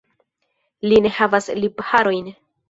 Li ne havas lipharojn.